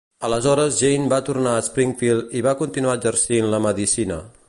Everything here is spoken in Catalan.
Aleshores Jayne va tornar a Springfield i va continuar exercint la medicina.